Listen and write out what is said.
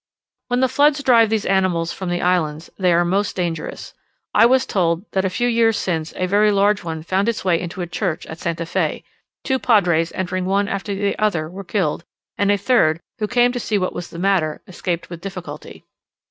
When the floods drive these animals from the islands, they are most dangerous. I was told that a few years since a very large one found its way into a church at St. Fe: two padres entering one after the other were killed, and a third, who came to see what was the matter, escaped with difficulty.